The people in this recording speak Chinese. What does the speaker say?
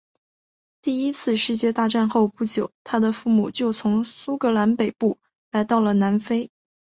第一次世界大战后不久他的父母就从苏格兰北部来到了南非。